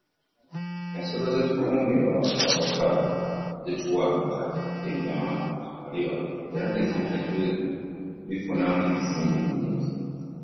Ensolo ezikuumibwa awaka zituwa amata, ennyama, amaliba era netubifunamu ensimbi nnyingi.